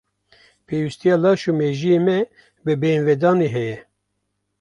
Pêwistiya laş û mejiyê me bi bêhinvedanê heye.